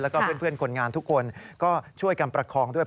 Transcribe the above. แล้วก็เพื่อนคนงานทุกคนก็ช่วยกันประคองด้วย